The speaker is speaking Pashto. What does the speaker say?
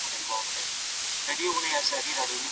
د ښو څخه ښه زېږي د بدو څخه واښه.